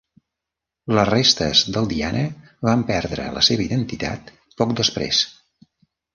Les restes del Diana van perdre la seva identitat poc després.